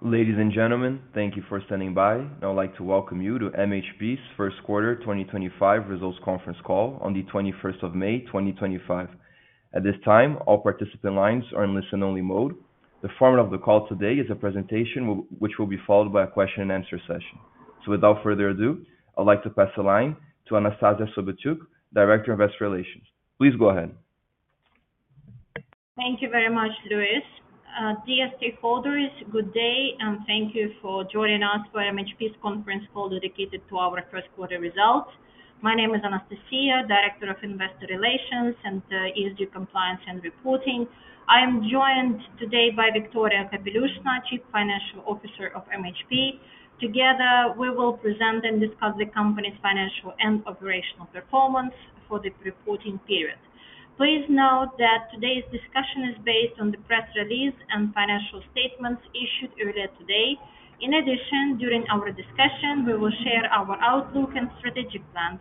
Ladies and gentlemen, thank you for standing by. Now I'd like to welcome you to MHP's First Quarter 2025 Results Conference call on the 21st of May, 2025. At this time, all participant lines are in listen-only mode. The format of the call today is a presentation which will be followed by a question-and-answer session. Without further ado, I'd like to pass the line to Anastasiya Sobotyuk, Director of Investor Relations. Please go ahead. Thank you very much, Luis. Dear stakeholders, good day, and thank you for joining us for MHP's conference call dedicated to our first quarter results. My name is Anastasiya, Director of Investor Relations and ESG Compliance and Reporting. I am joined today by Victoria Kapelyushnaya, Chief Financial Officer of MHP. Together, we will present and discuss the company's financial and operational performance for the reporting period. Please note that today's discussion is based on the press release and financial statements issued earlier today. In addition, during our discussion, we will share our outlook and strategic plans,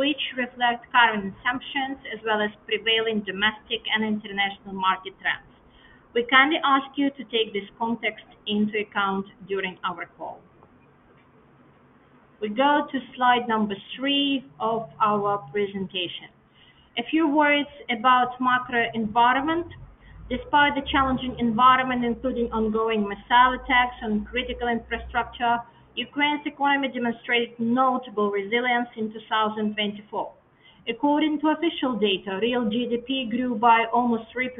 which reflect current assumptions as well as prevailing domestic and international market trends. We kindly ask you to take this context into account during our call. We go to slide number three of our presentation. A few words about the macro environment. Despite the challenging environment, including ongoing missile attacks on critical infrastructure, Ukraine's economy demonstrated notable resilience in 2024. According to official data, real GDP grew by almost 3%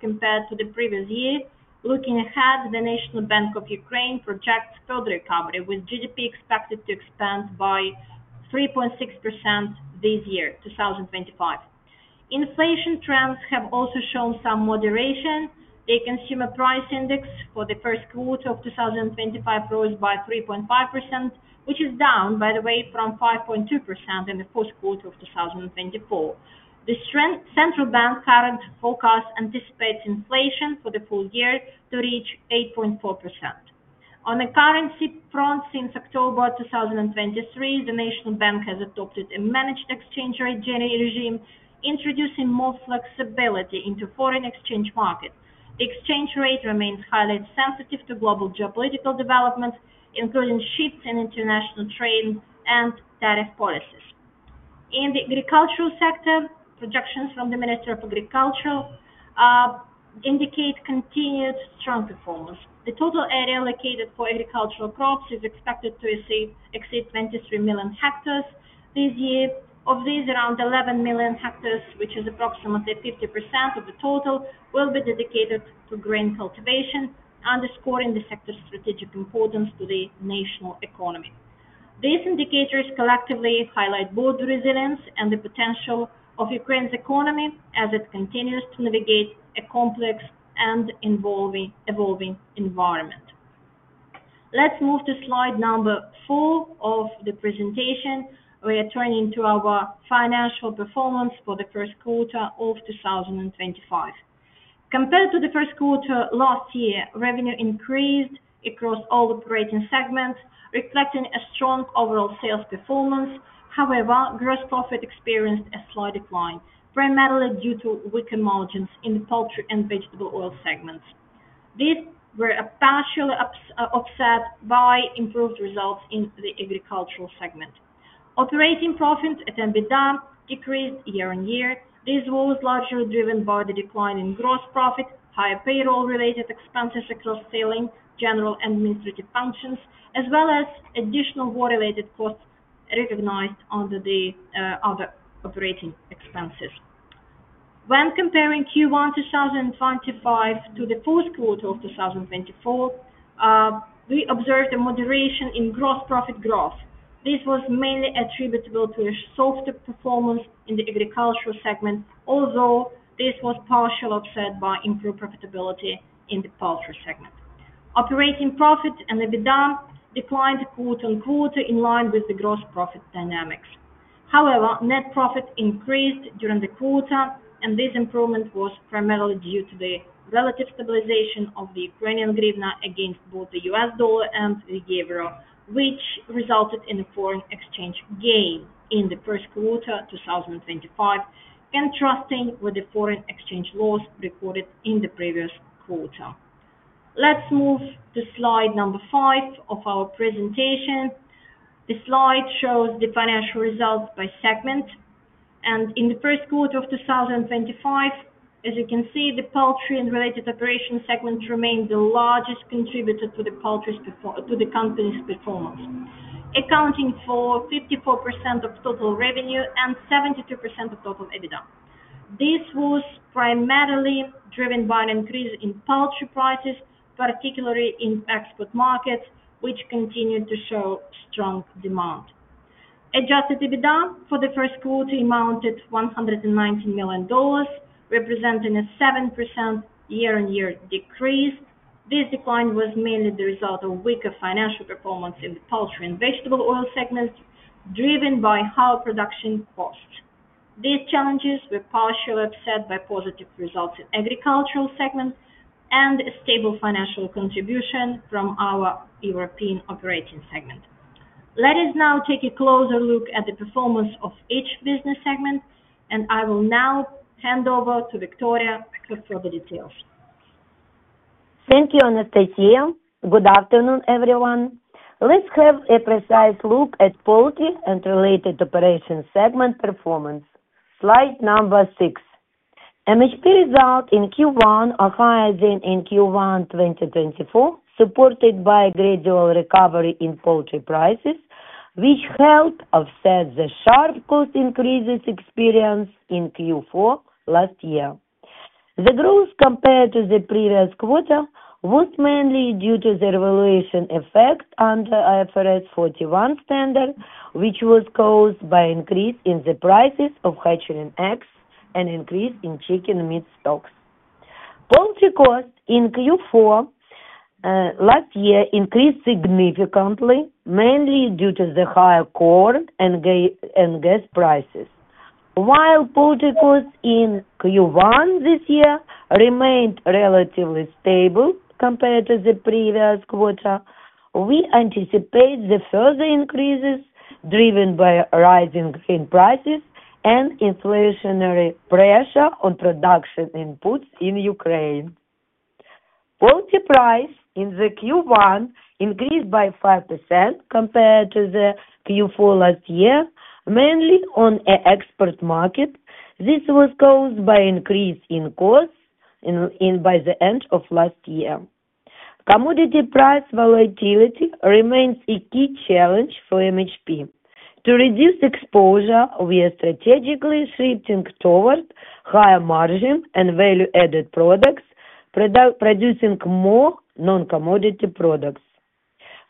compared to the previous year. Looking ahead, the National Bank of Ukraine projects further recovery, with GDP expected to expand by 3.6% this year, 2025. Inflation trends have also shown some moderation. The Consumer Price Index for the first quarter of 2025 rose by 3.5%, which is down, by the way, from 5.2% in the first quarter of 2024. The central bank's current forecast anticipates inflation for the full year to reach 8.4%. On the currency front, since October 2023, the National Bank has adopted a managed exchange rate regime, introducing more flexibility into foreign exchange markets. The exchange rate remains highly sensitive to global geopolitical developments, including shifts in international trade and tariff policies. In the agricultural sector, projections from the Minister of Agriculture indicate continued strong performance. The total area allocated for agricultural crops is expected to exceed 23 million hectares this year. Of these, around 11 million hectares, which is approximately 50% of the total, will be dedicated to grain cultivation, underscoring the sector's strategic importance to the national economy. These indicators collectively highlight both resilience and the potential of Ukraine's economy as it continues to navigate a complex and evolving environment. Let's move to slide number four of the presentation, where we turn into our financial performance for the first quarter of 2025. Compared to the first quarter last year, revenue increased across all operating segments, reflecting a strong overall sales performance. However, gross profit experienced a slight decline, primarily due to weaker margins in the poultry and vegetable oil segments. These were partially offset by improved results in the agricultural segment. Operating profit at NBDA decreased year on year. This was largely driven by the decline in gross profit, higher payroll-related expenses across selling, general, and administrative functions, as well as additional war-related costs recognized under the other operating expenses. When comparing Q1 2025 to the fourth quarter of 2024, we observed a moderation in gross profit growth. This was mainly attributable to a softer performance in the agricultural segment, although this was partially offset by improved profitability in the poultry segment. Operating profit at NBDA declined quarter on quarter in line with the gross profit dynamics. However, net profit increased during the quarter, and this improvement was primarily due to the relative stabilization of the Ukrainian hryvnia against both the US dollar and the euro, which resulted in a foreign exchange gain in the first quarter 2025, contrasting with the foreign exchange loss recorded in the previous quarter. Let's move to slide number five of our presentation. The slide shows the financial results by segment. In the first quarter of 2025, as you can see, the poultry and related operations segment remained the largest contributor to the company's performance, accounting for 54% of total revenue and 72% of total EBITDA. This was primarily driven by an increase in poultry prices, particularly in export markets, which continued to show strong demand. Adjusted EBITDA for the first quarter amounted to $119 million, representing a 7% year-on-year decrease. This decline was mainly the result of weaker financial performance in the poultry and vegetable oil segments, driven by higher production costs. These challenges were partially offset by positive results in the agricultural segment and a stable financial contribution from our European operating segment. Let us now take a closer look at the performance of each business segment, and I will now hand over to Victoria for further details. Thank you, Anastasiya. Good afternoon, everyone. Let's have a precise look at poultry and related operations segment performance. Slide number six. MHP results in Q1 are higher than in Q1 2024, supported by a gradual recovery in poultry prices, which helped offset the sharp cost increases experienced in Q4 last year. The growth compared to the previous quarter was mainly due to the revaluation effect under IFRS 41 standard, which was caused by an increase in the prices of hatchling eggs and an increase in chicken meat stocks. Poultry costs in Q4 last year increased significantly, mainly due to the higher corn and gas prices. While poultry costs in Q1 this year remained relatively stable compared to the previous quarter, we anticipate further increases driven by rising grain prices and inflationary pressure on production inputs in Ukraine. Poultry prices in Q1 increased by 5% compared to Q4 last year, mainly on the export market. This was caused by an increase in costs by the end of last year. Commodity price volatility remains a key challenge for MHP. To reduce exposure, we are strategically shifting toward higher margin and value-added products, producing more non-commodity products.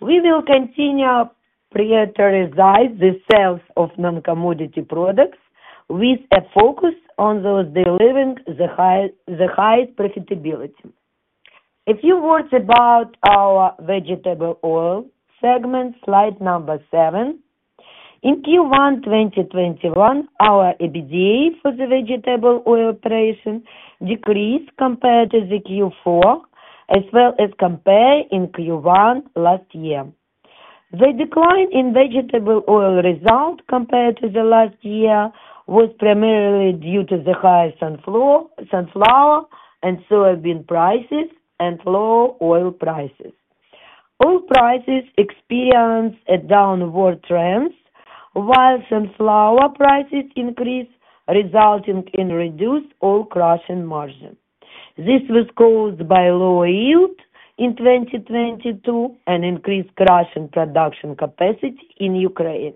We will continue to prioritize the sales of non-commodity products with a focus on those delivering the highest profitability. A few words about our vegetable oil segment, slide number seven. In Q1 2021, our EBITDA for the vegetable oil operation decreased compared to Q4, as well as compared to Q1 last year. The decline in vegetable oil results compared to last year was primarily due to the high sunflower and soybean prices and low oil prices. Oil prices experienced a downward trend, while sunflower prices increased, resulting in reduced oil crushing margin. This was caused by lower yields in 2022 and increased crushing production capacity in Ukraine.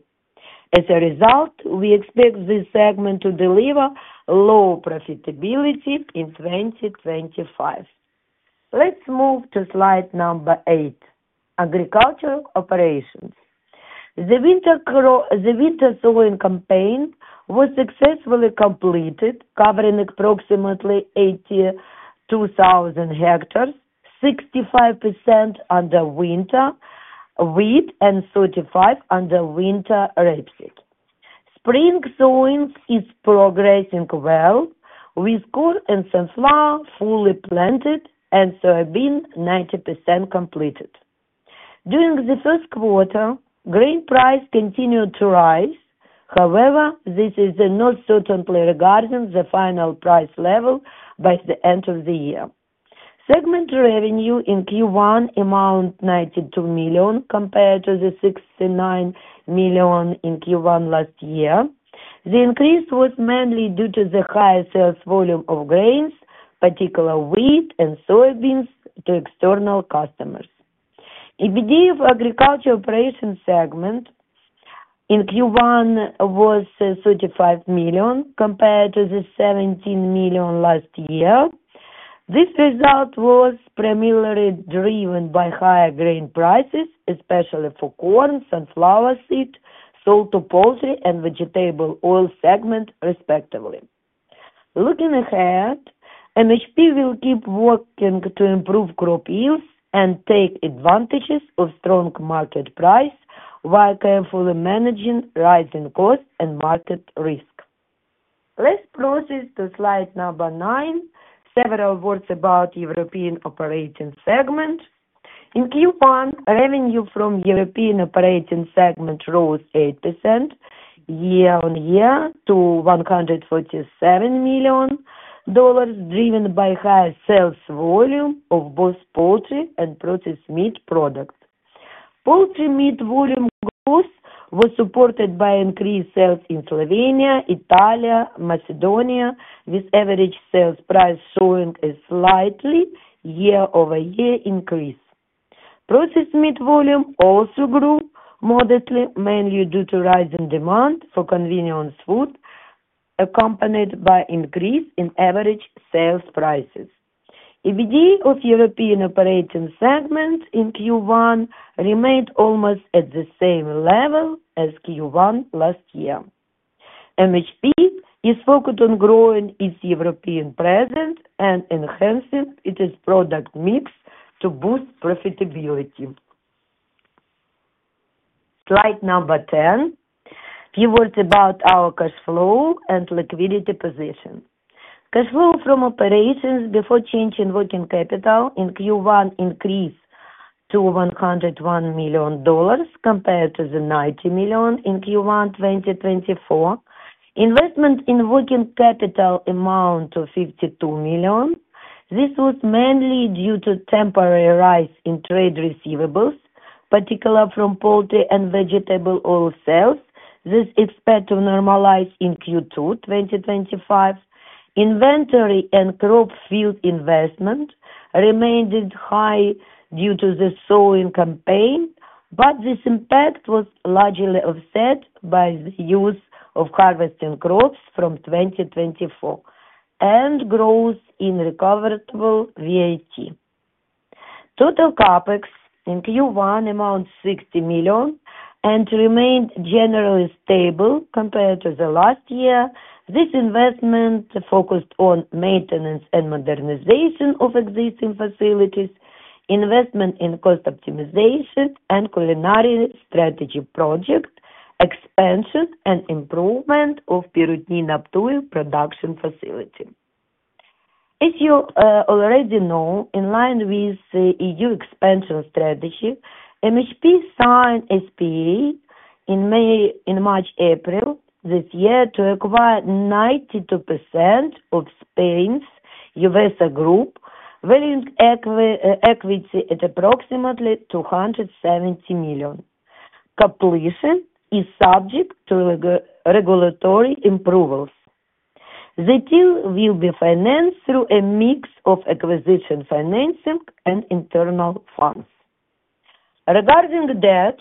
As a result, we expect this segment to deliver low profitability in 2025. Let's move to slide number eight, agricultural operations. The winter sowing campaign was successfully completed, covering approximately 82,000 hectares, 65% under winter wheat and 35% under winter rapeseed. Spring sowing is progressing well, with corn and sunflower fully planted and soybean 90% completed. During the first quarter, grain prices continued to rise. However, this is not certain regarding the final price level by the end of the year. Segment revenue in Q1 amounted to $92 million compared to the $69 million in Q1 last year. The increase was mainly due to the higher sales volume of grains, particularly wheat and soybeans, to external customers. EBITDA for agricultural operations segment in Q1 was $35 million compared to the $17 million last year. This result was primarily driven by higher grain prices, especially for corn, sunflower seed sold to poultry and vegetable oil segment, respectively. Looking ahead, MHP will keep working to improve crop yields and take advantage of strong market prices while carefully managing rising costs and market risk. Let's proceed to slide number nine, several words about the European operating segment. In Q1, revenue from the European operating segment rose 8% year-on-year to $147 million, driven by higher sales volume of both poultry and processed meat products. Poultry meat volume growth was supported by increased sales in Slovenia, Italy, and Macedonia, with average sales prices showing a slight year-over-year increase. Processed meat volume also grew modestly, mainly due to rising demand for convenience food, accompanied by an increase in average sales prices. EBITDA of the European operating segment in Q1 remained almost at the same level as Q1 last year. MHP is focused on growing its European presence and enhancing its product mix to boost profitability. Slide number ten, a few words about our cash flow and liquidity position. Cash flow from operations before changing working capital in Q1 increased to $101 million compared to the $90 million in Q1 2024. Investment in working capital amounted to $52 million. This was mainly due to a temporary rise in trade receivables, particularly from poultry and vegetable oil sales. This is expected to normalize in Q2 2025. Inventory and crop field investment remained high due to the sowing campaign, but this impact was largely offset by the use of harvesting crops from 2024 and growth in recoverable VAT. Total CAPEX in Q1 amounted to $60 million and remained generally stable compared to last year. This investment focused on maintenance and modernization of existing facilities, investment in cost optimization and culinary strategy project, expansion and improvement of Perutnina Ptuj production facility. As you already know, in line with the EU expansion strategy, MHP signed SPA in March-April this year to acquire 92% of Spain's UVESA Group, valuing equity at approximately $270 million. Completion is subject to regulatory improvements. The deal will be financed through a mix of acquisition financing and internal funds. Regarding debt,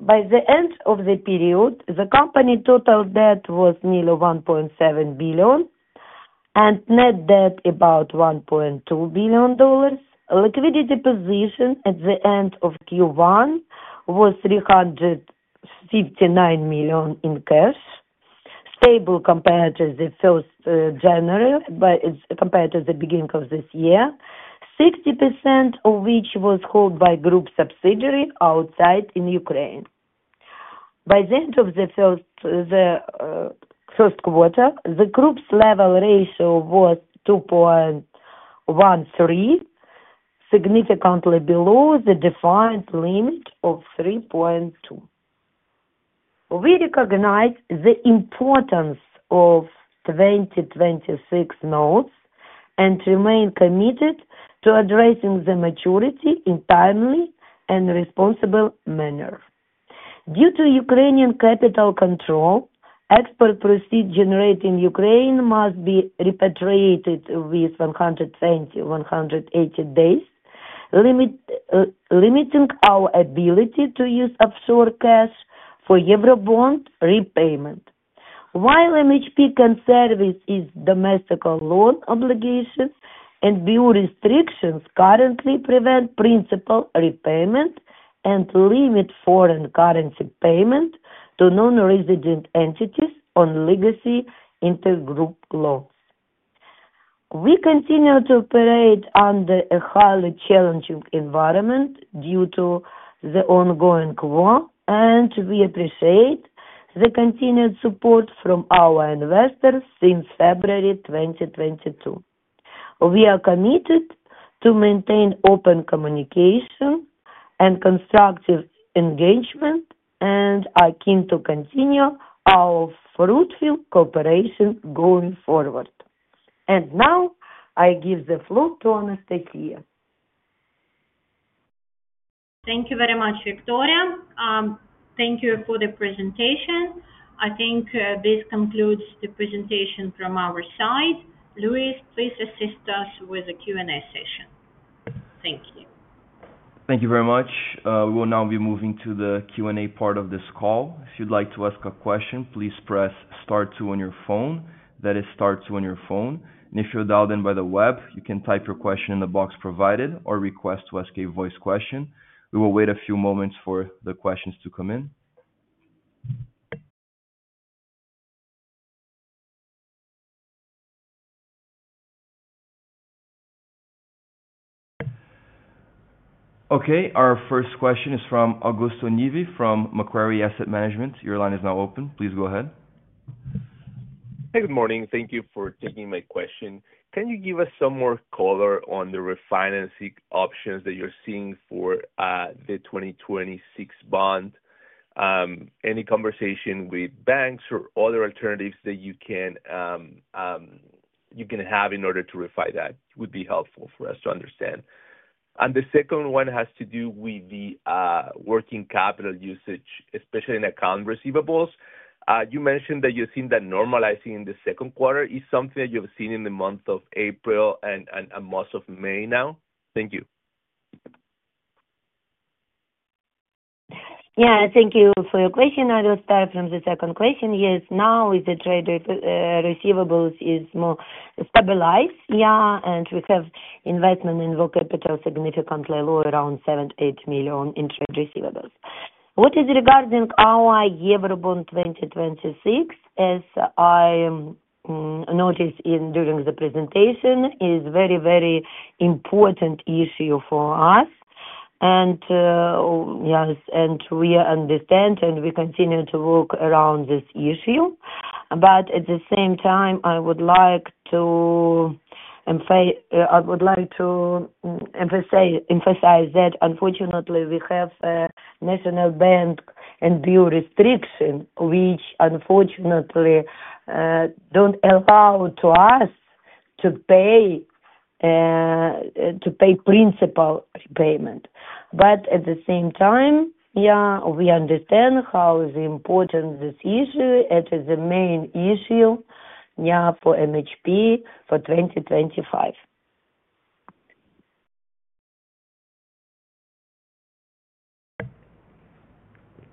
by the end of the period, the company's total debt was nearly $1.7 billion and net debt about $1.2 billion. Liquidity position at the end of Q1 was $359 million in cash, stable compared to the first January compared to the beginning of this year, 60% of which was held by a group subsidiary outside in Ukraine. By the end of the first quarter, the group's level ratio was 2.13, significantly below the defined limit of 3.2. We recognize the importance of 2026 notes and remain committed to addressing the maturity in a timely and responsible manner. Due to Ukrainian capital control, export proceeds generated in Ukraine must be repatriated within 120-180 days, limiting our ability to use offshore cash for Eurobond repayment. While MHP can service its domestic loan obligations, NBO restrictions currently prevent principal repayment and limit foreign currency payment to non-resident entities on legacy intergroup loans. We continue to operate under a highly challenging environment due to the ongoing war, and we appreciate the continued support from our investors since February 2022. We are committed to maintaining open communication and constructive engagement and are keen to continue our fruitful cooperation going forward. I give the floor to Anastasiya. Thank you very much, Victoria. Thank you for the presentation. I think this concludes the presentation from our side. Luis, please assist us with the Q&A session. Thank you. Thank you very much. We will now be moving to the Q&A part of this call. If you'd like to ask a question, please press Star 2 on your phone. That is, Star 2 on your phone. If you're dialed in by the web, you can type your question in the box provided or request to ask a voice question. We will wait a few moments for the questions to come in. Okay, our first question is from Augusto Nivi from Macquarie Asset Management. Your line is now open. Please go ahead. Hey, good morning. Thank you for taking my question. Can you give us some more color on the refinancing options that you're seeing for the 2026 bond? Any conversation with banks or other alternatives that you can have in order to refine that would be helpful for us to understand. The second one has to do with the working capital usage, especially in account receivables. You mentioned that you've seen that normalizing in the second quarter is something that you've seen in the month of April and most of May now. Thank you. Yeah, thank you for your question. I will start from the second question. Yes, now the trade receivables are more stabilized. Yeah, and we have investment in raw capital significantly low, around $78 million in trade receivables. What is regarding our Eurobond 2026, as I noticed during the presentation, is a very, very important issue for us. Yes, and we understand, and we continue to work around this issue. At the same time, I would like to emphasize that, unfortunately, we have a National Bank and Bureau restriction, which unfortunately do not allow us to pay principal repayment. At the same time, yeah, we understand how important this issue is, and it is the main issue for MHP for 2025.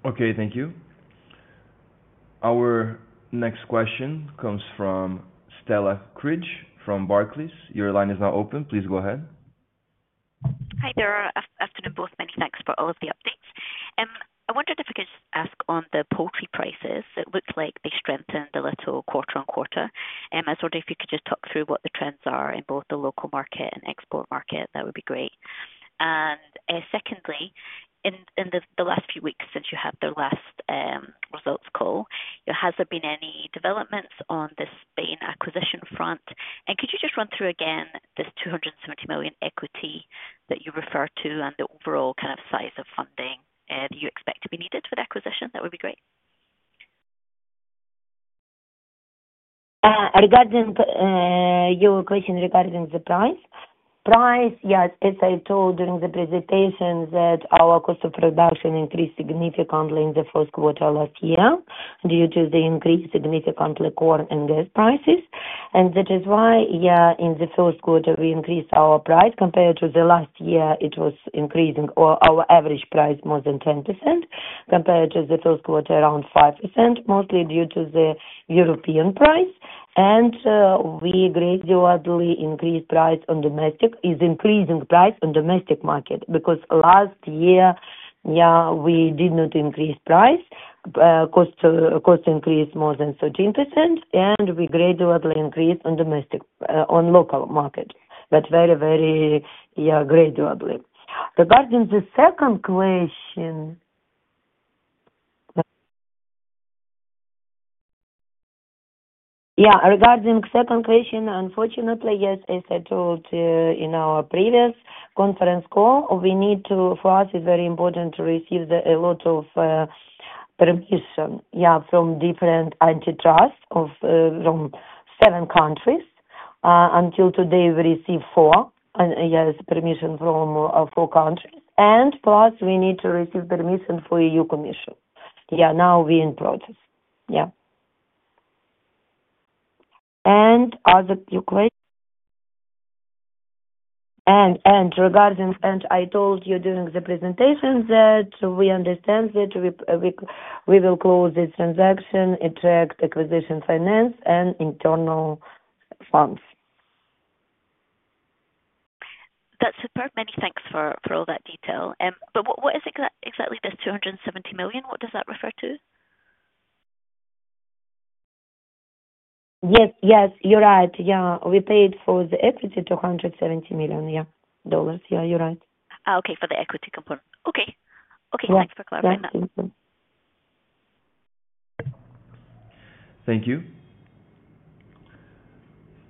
Okay, thank you. Our next question comes from Stella Cridge from Barclays. Your line is now open. Please go ahead. Hi, Deira. Afternoon, both mentioned export, all of the updates. I wondered if I could just ask on the poultry prices. It looks like they strengthened a little quarter on quarter. I was wondering if you could just talk through what the trends are in both the local market and export market. That would be great. Secondly, in the last few weeks since you had the last results call, has there been any developments on the Spain acquisition front? Could you just run through again this $270 million equity that you refer to and the overall kind of size of funding that you expect to be needed for the acquisition? That would be great. Regarding your question regarding the price, yes, as I told during the presentation, our cost of production increased significantly in the first quarter last year due to the increase significantly in corn and gas prices. That is why, yeah, in the first quarter, we increased our price. Compared to last year, it was increasing our average price more than 10% compared to the first quarter, around 5%, mostly due to the European price. We gradually increased price on domestic, is increasing price on domestic market because last year, yeah, we did not increase price. Cost increased more than 13%, and we gradually increased on local market, but very, very gradually. Regarding the second question. Yeah, regarding the second question, unfortunately, yes, as I told in our previous conference call, we need to, for us, it's very important to receive a lot of permission, yeah, from different antitrust from seven countries. Until today, we received permission from four countries. Plus, we need to receive permission from the EU Commission. Yeah, now we're in process. Yeah. And regarding other questions, I told you during the presentation that we understand that we will close the transaction, attract acquisition finance, and internal funds. That's superb. Many thanks for all that detail. What is exactly this $270 million? What does that refer to? Yes, yes, you're right. Yeah, we paid for the equity $270 million. Yeah, dollars. Yeah, you're right. Okay, for the equity component. Okay. Okay, thanks for clarifying that. Thank you.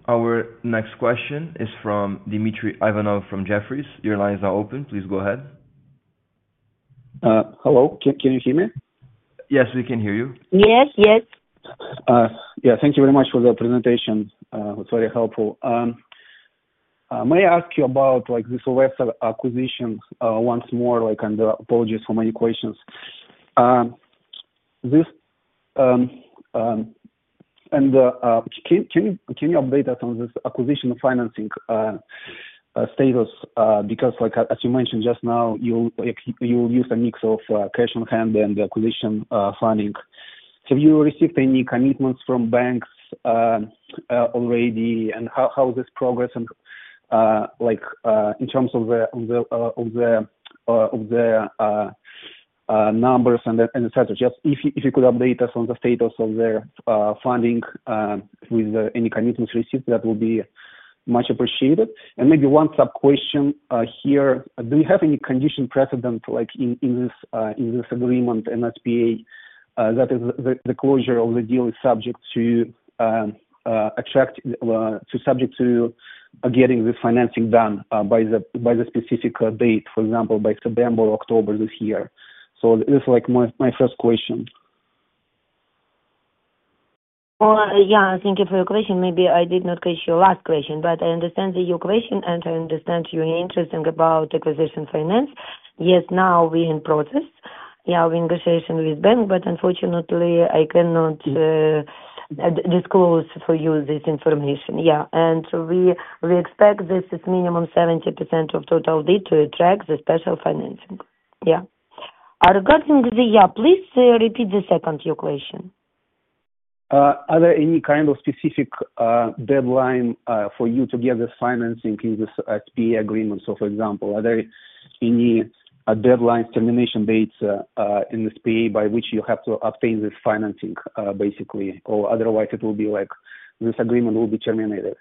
Our next question is from Dmitry Ivanov from Jefferies. Your line is now open. Please go ahead. Hello. Can you hear me? Yes, we can hear you. Yes, yes. Yeah, thank you very much for the presentation. It's very helpful. May I ask you about this UVESA acquisition once more? Apologies for my questions. Can you update us on this acquisition financing status? Because, as you mentioned just now, you'll use a mix of cash on hand and acquisition funding. Have you received any commitments from banks already? How is this progressing in terms of the numbers and etc.? If you could update us on the status of their funding with any commitments received, that would be much appreciated. Maybe one sub-question here. Do we have any condition precedent in this agreement, in SPA, that the closure of the deal is subject to getting the financing done by a specific date, for example, by September or October this year? This is my first question. Yeah, thank you for your question. Maybe I did not catch your last question, but I understand your question, and I understand you're interested about acquisition finance. Yes, now we're in process. Yeah, we're in negotiation with the bank, but unfortunately, I cannot disclose for you this information. Yeah. We expect this is minimum 70% of total debt to attract the special financing. Yeah. Regarding the, yeah, please repeat the second your question. Are there any kind of specific deadline for you to get this financing in this SPA agreement? For example, are there any deadlines, termination dates in the SPA by which you have to obtain this financing, basically? Or otherwise, it will be like this agreement will be terminated.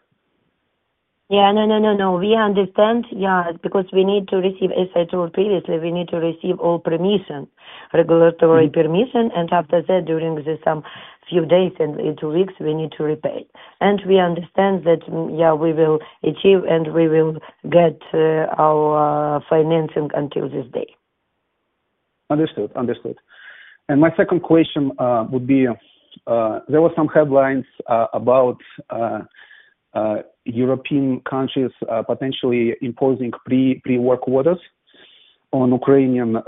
Yeah, no, we understand, yeah, because we need to receive, as I told previously, we need to receive all permission, regulatory permission. After that, during this few days and two weeks, we need to repay. We understand that, yeah, we will achieve and we will get our financing until this day. Understood. Understood. My second question would be, there were some headlines about European countries potentially imposing pre-war quotas on Ukrainian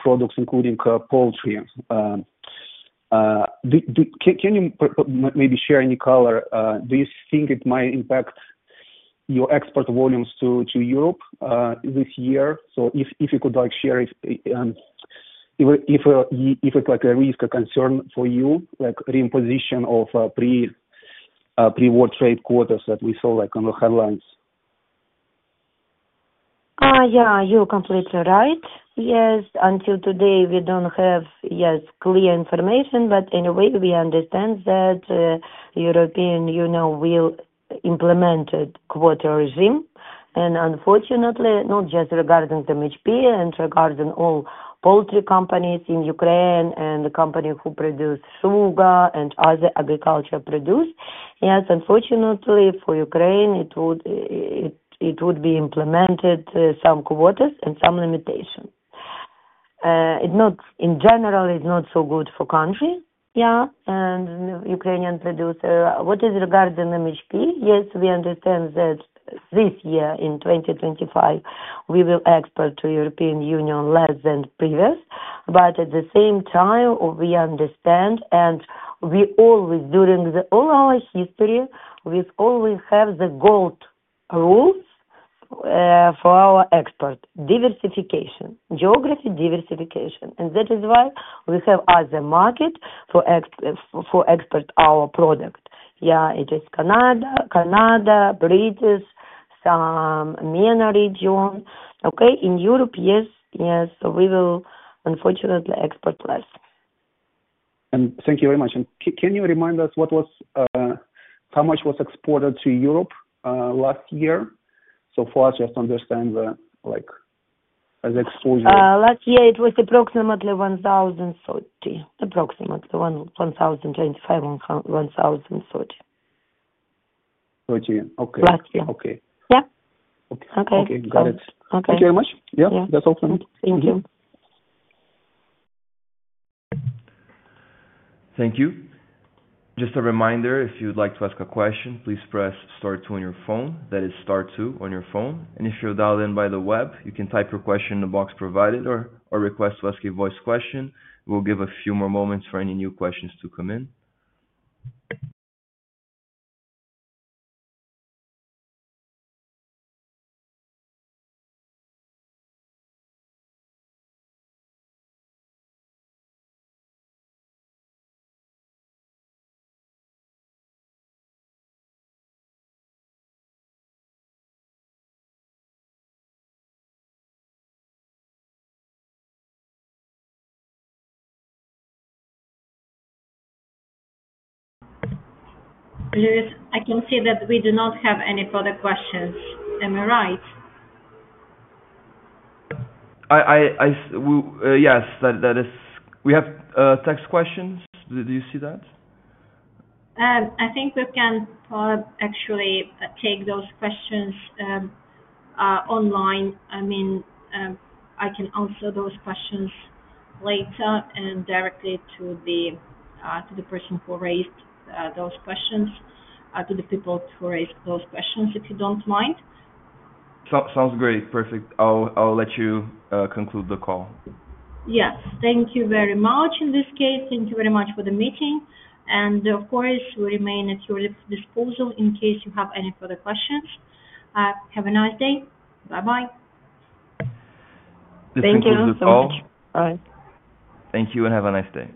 products, including poultry. Can you maybe share any color? Do you think it might impact your export volumes to Europe this year? If you could share if it's a risk or concern for you, like reimposition of pre-war trade quotas that we saw on the headlines. Yeah, you're completely right. Yes, until today, we don't have, yes, clear information. Anyway, we understand that the European Union will implement a quota regime. Unfortunately, not just regarding MHP and regarding all poultry companies in Ukraine and the companies who produce sugar and other agriculture produce, yes, unfortunately, for Ukraine, it would be implemented some quotas and some limitations. In general, it's not so good for countries, yeah, and Ukrainian producers. What is regarding MHP? Yes, we understand that this year, in 2025, we will export to the European Union less than previous. At the same time, we understand, and we always, during all our history, we always have the gold rules for our export: diversification, geography diversification. That is why we have other markets for exporting our product. Yeah, it is Canada, Canada, British, some minor regions. Okay, in Europe, yes, yes, we will unfortunately export less. Thank you very much. Can you remind us how much was exported to Europe last year? For us, just to understand the exposure. Last year, it was approximately 1,030, approximately 1,025-1,030. 30, okay. Last year. Okay. Yeah. Okay. Okay, got it. Thank you very much. Yeah, that's all from me. Thank you. Thank you. Just a reminder, if you'd like to ask a question, please press Star 2 on your phone. That is, Star 2 on your phone. If you're dialed in by the web, you can type your question in the box provided or request to ask a voice question. We'll give a few more moments for any new questions to come in. I can see that we do not have any further questions. Am I right? Yes, we have text questions. Do you see that? I think we can actually take those questions online. I mean, I can answer those questions later and directly to the person who raised those questions, to the people who raised those questions, if you do not mind. Sounds great. Perfect. I'll let you conclude the call. Yes. Thank you very much in this case. Thank you very much for the meeting. Of course, we remain at your disposal in case you have any further questions. Have a nice day. Bye-bye. Thank you. Thank you. Bye. Thank you and have a nice day.